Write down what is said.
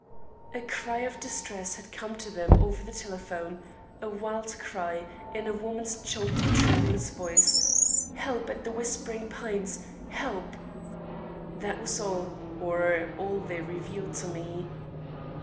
A cry of distress had come to them over the telephone; a wild cry, in a woman's choked and tremulous voice: "Help at The Whispering Pines! Help!" That was all, or all they revealed to me.